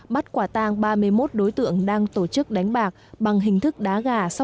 bắt quả tang ba mươi một đối tượng đang tổ chức đánh bạc bằng hình thức đá gà